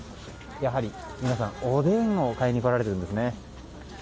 やはり皆さん、おでんを買いに来られているんですね。